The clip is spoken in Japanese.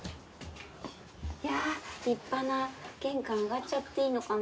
立派な玄関上がっちゃっていいのかな？